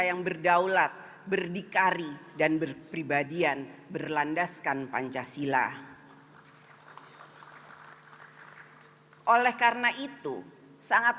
yang berdaulat berdikari dan berpribadian berlandaskan pancasila oleh karena itu sangat